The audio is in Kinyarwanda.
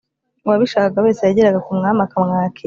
Uwabishakaga wese yageraga ku mwami akamwakira.